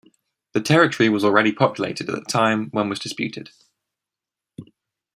The territory was already populated at the time when was disputed.